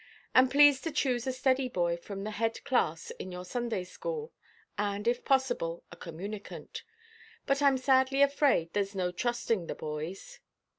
And please to choose a steady boy from the head–class in your Sunday school, and, if possible, a communicant. But Iʼm sadly afraid thereʼs no trusting the boys."